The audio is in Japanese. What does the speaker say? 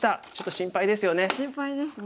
心配ですね。